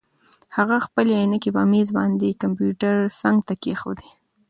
هغه خپلې عینکې په مېز باندې د کمپیوټر څنګ ته کېښودې.